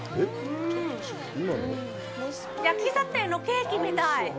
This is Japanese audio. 焼きたてのケーキみたい。